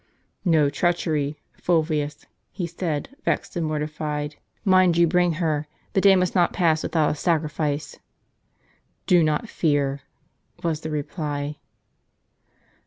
"J^o treachery, Fulvius," he said, vexed and mortified. ^ "Mind you bring her. The day must not pass without a sacrifice." "Do not fear," was the reply.